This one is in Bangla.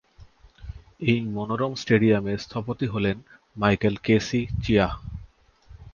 এই মনোরম স্টেডিয়ামের স্থপতি হলেন মাইকেল কে সি চিয়াহ।